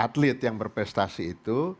atlet yang berprestasi itu